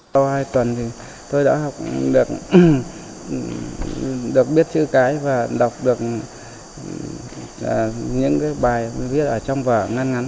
sau hai tuần thì tôi đã học được biết chữ cái và đọc được những cái bài viết ở trong vở ngăn ngắn